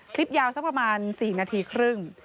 คลิปยาวสักประมาณ๔นาทีครึ่ง